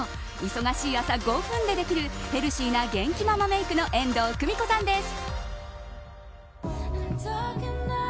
忙しい朝、５分でできるヘルシーな元気ママメイクの遠藤久美子さんです。